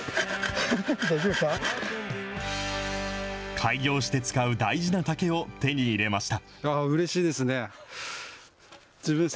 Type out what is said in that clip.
開業して使う大事な竹を手に入れました。